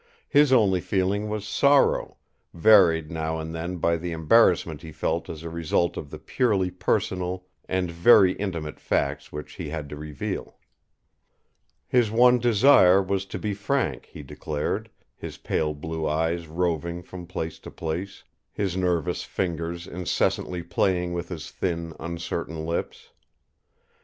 His only feeling was sorrow, varied now and then by the embarrassment he felt as a result of the purely personal and very intimate facts which he had to reveal. His one desire was to be frank, he declared, his pale blue eyes roving from place to place, his nervous fingers incessantly playing with his thin, uncertain lips.